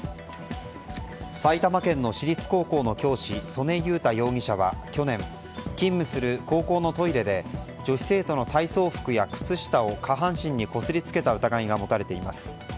埼玉県の私立高校の教師曽根佑太容疑者は去年勤務する高校のトイレで女子生徒の体操服や靴下を下半身にこすりつけた疑いが持たれています。